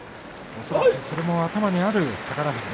それが頭にある宝富士。